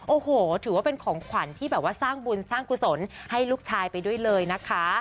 โอ้โหถือว่าเป็นของขวัญที่แบบว่าสร้างบุญสร้างกุศลให้ลูกชายไปด้วยเลยนะคะ